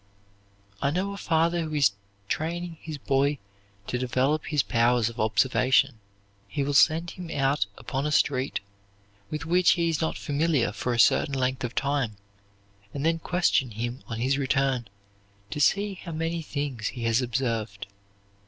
I know a father who is training his boy to develop his powers of observation. He will send him out upon a street with which he is not familiar for a certain length of time, and then question him on his return to see how many things he has observed.